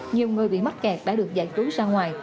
nhiều người bị mắc kẹt đã được dạy trú ra ngoài